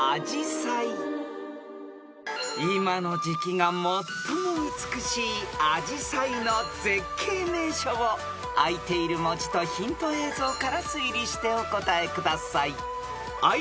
［今の時季が最も美しいアジサイの絶景名所をあいている文字とヒント映像から推理してお答えください］